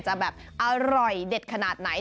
จะแบบอร่อยเด็ดขนาดไหน